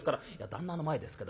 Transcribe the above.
旦那の前ですけどもね